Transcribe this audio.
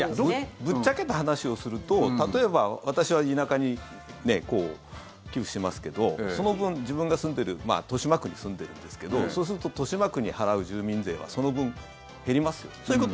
ぶっちゃけた話をすると例えば私は田舎に寄付しますけどその分、自分が住んでいる豊島区に住んでいるんですけどそうすると豊島区に払う住民税がその分、減りますよね。